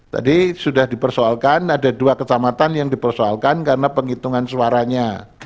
tadi sudah dipersoalkan ada dua kecamatan yang dipersoalkan karena penghitungan suaranya